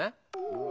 うわ